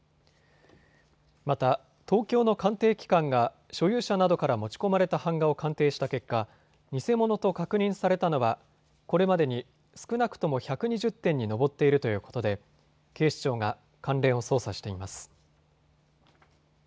また、東京の鑑定機関が所有者などから持ち込まれた版画を鑑定した結果、偽物と確認されたのはこれまでに少なくとも１２０点に上っているということで警視庁が関連を捜査しています。